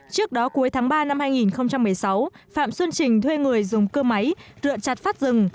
trước đó cuối tháng ba năm hai nghìn một mươi sáu phạm xuân trình thuê người dùng cơ máy lựa chặt phát rừng